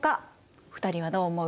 ２人はどう思う？